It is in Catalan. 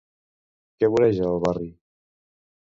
Què voreja el barri?